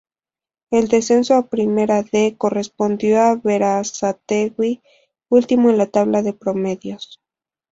El descenso a Primera D correspondió a Berazategui, último en la tabla de promedios.